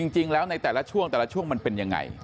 จริงแล้วในแต่ละช่วงแต่ละช่วงมันเป็นยังไง